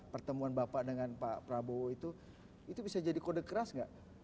pertemuan bapak dengan pak prabowo itu itu bisa jadi kode keras nggak